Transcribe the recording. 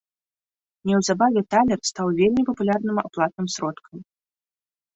Неўзабаве талер стаў вельмі папулярным аплатным сродкам.